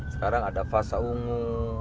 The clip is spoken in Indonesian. sekarang ada fasa ungu